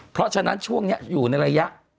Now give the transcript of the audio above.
เพราะฉะนั้นช่วงนี้อยู่ในระยะ